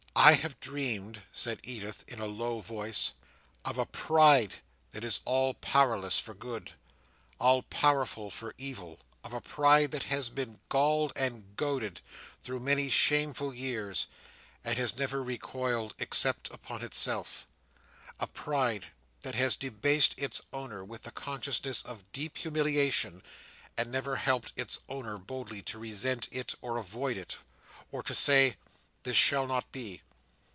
"I have dreamed," said Edith in a low voice, "of a pride that is all powerless for good, all powerful for evil; of a pride that has been galled and goaded, through many shameful years, and has never recoiled except upon itself; a pride that has debased its owner with the consciousness of deep humiliation, and never helped its owner boldly to resent it or avoid it, or to say, 'This shall not be!